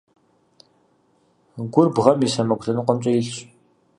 Гур бгъэм и сэмэгу лъэныкъумкӀэ илъщ.